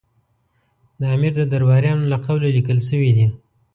د امیر د درباریانو له قوله لیکل شوي دي.